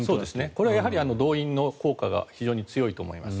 これはやはり動員の効果が非常に強いと思います。